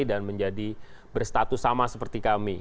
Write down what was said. dan menjadi berstatus sama seperti kami